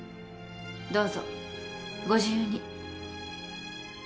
どうぞご自由に。